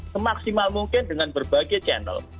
semaksimal mungkin dengan berbagai channel